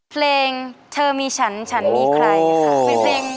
เพลงเธอมีฉันฉันมีใครค่ะ